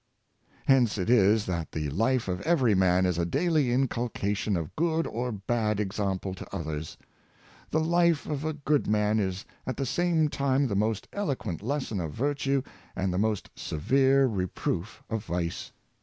Hence it is that the life of every man is a daily incul cation of good or bad example to others. The life of a 9 130 High Standard of Life, good man is at the same time the most eloquent lesson of virtue and the most severe reproof of vice.